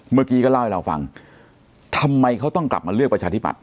เมื่อกี้ก็เล่าให้เราฟังทำไมเขาต้องกลับมาเลือกประชาธิบัต